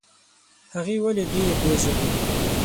هغې ولي ډېر ډېر ژړل؟